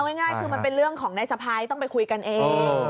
ง่ายคือมันเป็นเรื่องของนายสะพ้ายต้องไปคุยกันเอง